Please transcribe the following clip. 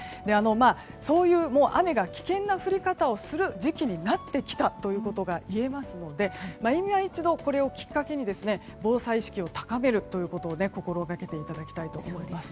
そういう雨が危険な降り方をする時期になってきたということが言えますので今一度、これをきっかけに防災意識を高めるということを心がけていただきたいと思います。